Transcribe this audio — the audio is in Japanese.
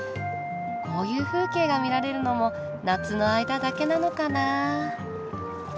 こういう風景が見られるのも夏の間だけなのかなあ。